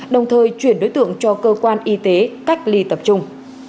đồng thời chuyển đối tượng cho cơ quan y tế cách ly tập trung